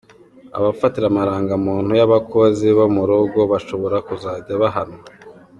Abafatira amarangamuntu y’ abakozi bo mu rugo bashobora kuzajya bahanwa.